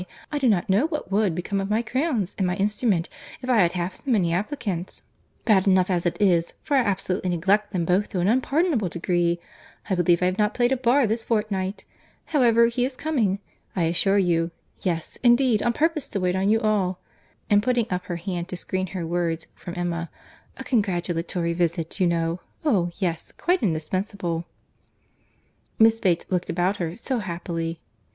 —I do not know what would become of my crayons and my instrument, if I had half so many applicants.'—Bad enough as it is, for I absolutely neglect them both to an unpardonable degree.—I believe I have not played a bar this fortnight.—However, he is coming, I assure you: yes, indeed, on purpose to wait on you all." And putting up her hand to screen her words from Emma—"A congratulatory visit, you know.—Oh! yes, quite indispensable." Miss Bates looked about her, so happily—!